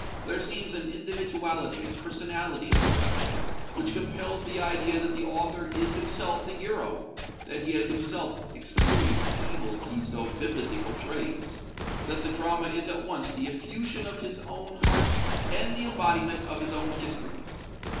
"There seems an individuality, a personality in the production, which compels the idea that the author is himself the hero, that he has himself experienced the evils he so vividly portrays, that the drama is at once the effusion of his own heart and the embodiment of his own history.